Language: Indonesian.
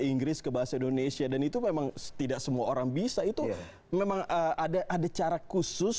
inggris ke bahasa indonesia dan itu memang tidak semua orang bisa itu memang ada ada cara khusus